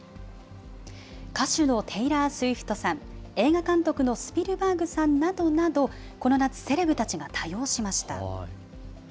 歌手のテイラー・スイフトさん、映画監督のスピルバーグさんなどなど、この夏、セレブたちが多用しました。